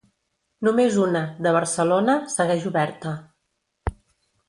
Només una, de Barcelona, segueix oberta.